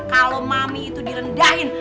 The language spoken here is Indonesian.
kalau mami itu direndahin